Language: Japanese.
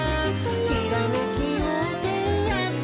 「ひらめきようせいやってくる」